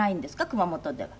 熊本では。